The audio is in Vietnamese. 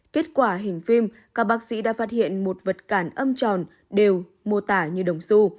kết quả hình phim các bác sĩ đã phát hiện một vật cản âm tròn đều mô tả như đồng su